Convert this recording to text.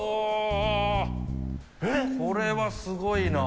これはすごいな。